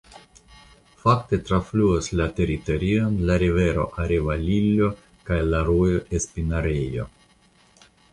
Fakte trafluas la teritorion la rivero Arevalillo kaj la rojo Espinarejo.